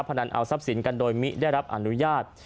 นันเอาทรัพย์สินกันโดยมิได้รับอนุญาต